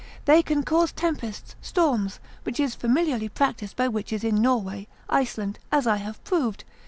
They can cause tempests, storms, which is familiarly practised by witches in Norway, Iceland, as I have proved.